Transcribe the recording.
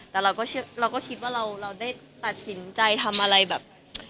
แต่เราก็คิดว่าเราได้ตัดสินใจทำอะไรแบบ